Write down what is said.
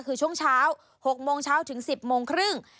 คือช่วงเช้า๖โมงเช้าถึง๑๐โมงครึ่ง